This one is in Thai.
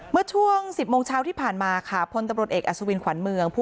เมื่อช่วง๑๐โมงเช้าที่ผ่านมาค่ะพลตำรวจเอกอัศวินขวัญเมือง